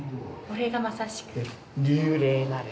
これがまさしく。